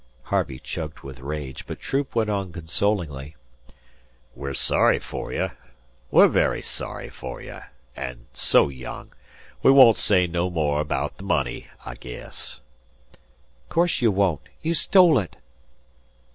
Harvey choked with rage, but Troop went on consolingly: "We're sorry fer you. We're very sorry fer you an' so young. We won't say no more abaout the money, I guess." "'Course you won't. You stole it."